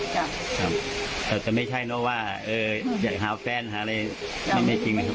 ครับครับแต่จะไม่ใช่เนอะว่าเอ่ออยากหาแฟนหาอะไรไม่ใช่จริงไหมครับ